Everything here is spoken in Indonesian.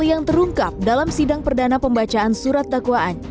yang terungkap dalam sidang perdana pembacaan surat dakwaan